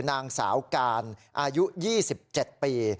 นางสาวการอายุ๒๗ปี